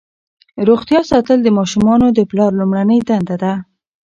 روغتیا ساتل د ماشومانو د پلار لومړنۍ دنده ده.